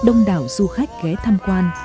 đông đảo du khách ghé tham quan